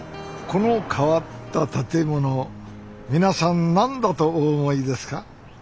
この変わった建物皆さん何だとお思いですか？